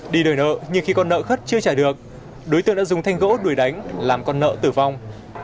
đi đòi nợ nhưng khi con nợ khất chưa trả được đối tượng đã dùng thanh gỗ đuổi đánh làm con nợ tử vong